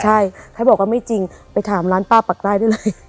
ใช่ให้บอกว่าไม่จริงไปถามร้านป้าปักใต้ได้เลย